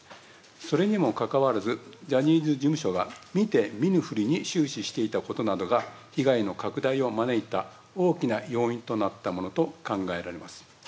それにもかかわらず、ジャニーズ事務所が見て見ぬふりに終始していたことなどが被害の拡大を招いた大きな要因となったものと考えられます。